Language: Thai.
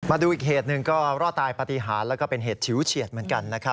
มาดูอีกเหตุหนึ่งก็รอดตายปฏิหารแล้วก็เป็นเหตุฉิวเฉียดเหมือนกันนะครับ